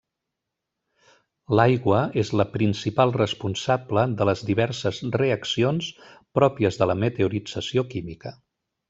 L’aigua és la principal responsable de les diverses reaccions pròpies de la meteorització química.